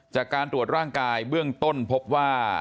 จากการตรวจร่างกายเบื้องต้นพบว่า